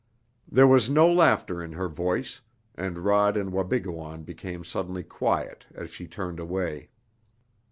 There was no laughter in her voice, and Rod and Wabigoon became suddenly quiet as she turned away.